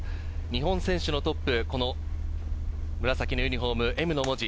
日本選手のトップ、紫のユニホーム、Ｍの文字。